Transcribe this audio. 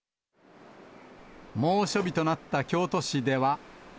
猛暑日となった京都市では。